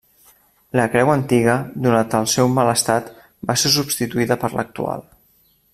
La creu antiga, donat el seu mal estat, va ser substituïda per l'actual.